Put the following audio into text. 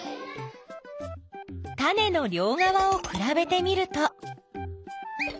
タネのりょうがわをくらべてみると。